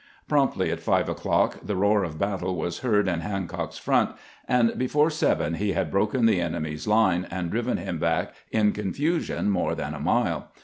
Promptly at five o'clock the roar of battle was heard in Hancock's front, and before seven he had broken the enemy's line, and driven him back in con fusion more than a mile.